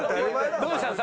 どうしたの？